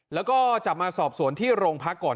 แล้วก็จับมาสอบสวนที่โรงพักก่อน